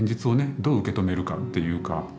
どう受け止めるかっていうか。